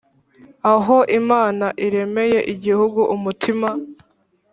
aho imana iremeye igihugu umutima